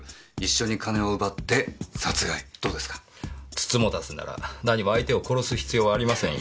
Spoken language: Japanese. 美人局なら何も相手を殺す必要はありませんよ。